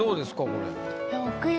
これ。